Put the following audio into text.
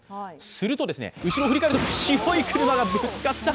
すると後ろを振り返ると白い車がぶつかった。